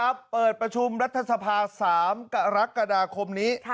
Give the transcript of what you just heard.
เปิดประชุมรัฐสภา๓กรกฎาคมนี้